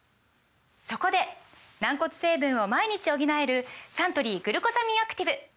そこで軟骨成分を毎日補えるサントリー「グルコサミンアクティブ」！